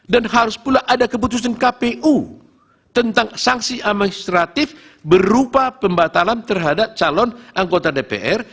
dan harus pula ada keputusan kpu tentang sanksi amnestratif berupa pembatalan terhadap calon anggota dpr